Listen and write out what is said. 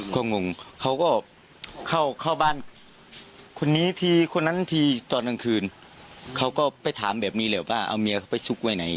ก็งงเขาก็เข้าบ้านคนนี้ทีคนนั้นทีตอนกลางคืนเขาก็ไปถามแบบนี้แหละว่าเอาเมียเขาไปซุกไว้ไหน